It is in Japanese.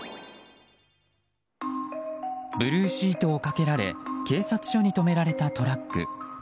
ブルーシートをかけられ警察署に止められたトラック。